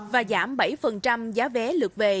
và giảm bảy giá vé lượt về